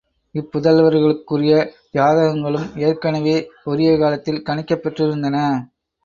இப்புதல்வர்களுக்குரிய ஜாதகங்களும் ஏற்கெனவே உரிய காலத்தில் கணிக்கப் பெற்றிருந்தன.